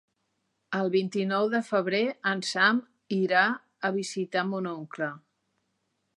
El vint-i-nou de febrer en Sam irà a visitar mon oncle.